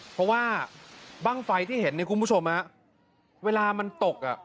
เพราะว่าบ้างไฟที่เห็นเนี่ยคุณผู้ชมฮะเวลามันตกอ่ะ